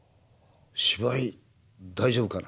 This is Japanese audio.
芝居大丈夫かな？